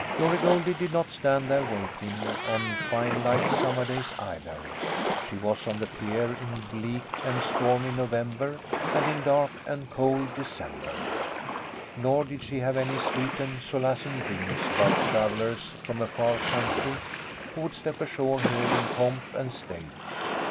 Glory Goldie did not stand there waiting on fine light summer days either! She was on the pier in bleak and stormy November and in dark and cold December. Nor did she have any sweet and solacing dreams about travellers from a far country who would step ashore here in pomp and state.